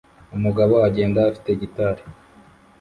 Umugabo agenda afite gitari